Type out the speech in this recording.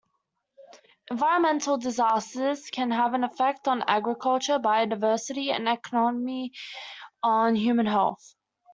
Environmental disasters can have an effect on agriculture, biodiversity, the economy and human health.